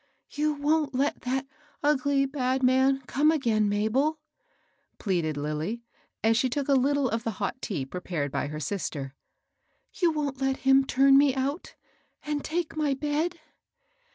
" You wont let that ugly, bad man come again, Mabel ?" pleaded Lilly, as she took a little of the hot tea prepared by her sister. " You wont let him turn me out, and take my bed?